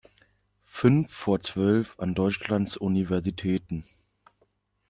Fünf vor zwölf an Deutschlands Universitäten.